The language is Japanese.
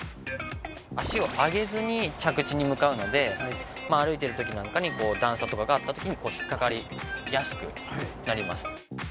脚を上げずに着地に向かうので歩いてる時なんかに段差とかがあった時にひっかかりやすくなります。